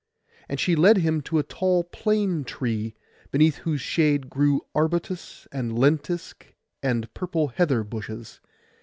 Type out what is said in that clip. And she led him to a tall plane tree, beneath whose shade grew arbutus, and lentisk, and purple heather bushes.